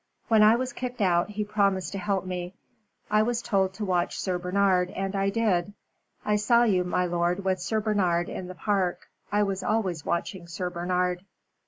When I was kicked out, he promised to help me. I was told to watch Sir Bernard, and I did. I saw you, my lord, with Sir Bernard in the Park. I was always watching Sir Bernard."